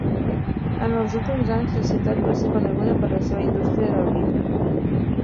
En els últims anys, la ciutat va ser coneguda per la seva indústria del vidre.